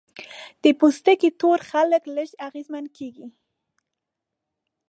د پوستکي تور خلک لږ اغېزمنېږي.